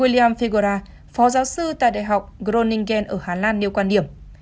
william figuera phó giáo sư tại đại học groningen ở hà lan nêu quan điểm